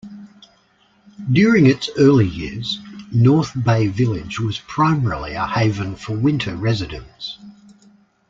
During its early years, North Bay Village was primarily a haven for winter residents.